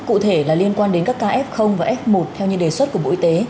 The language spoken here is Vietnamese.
cụ thể là liên quan đến các kf và f một theo những đề xuất của bộ y tế